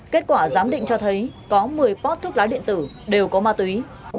kết quả giám định cho thấy có một mươi pot thuốc lá điện tử đều có ma túy